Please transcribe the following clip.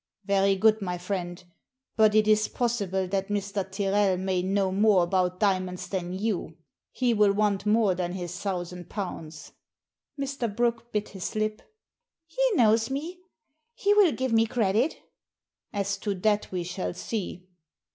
"Very good, my friend. But it is possible that Mr. Tyrrel may know more about diamonds than you. He will want more than his thousand pounds.'* Mr. Brooke bit his lip. " He knows me. He will give me credit" "As to that we shall see."